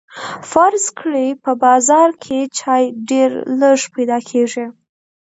فرض کړئ په بازار کې چای ډیر لږ پیدا کیږي.